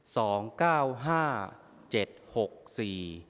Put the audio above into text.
สองเก้าห้าเจ็ดหกสี่